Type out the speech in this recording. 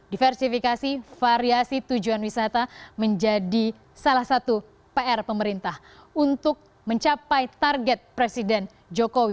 diversifikasi variasi tujuan wisata menjadi salah satu pr pemerintah untuk mencapai target presiden jokowi